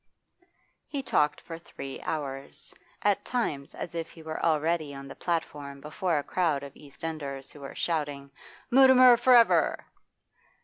He talked for three hours, at times as if he were already on the platform before a crowd of East Enders who were shouting, 'Mutimer for ever!